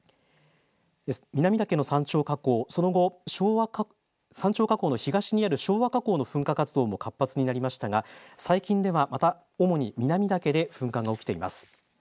南岳の山頂火口その後、昭和山頂火口の東にある昭和火口の噴火活動も活発になりましたが最近ではまた主に南岳で噴火が起きています。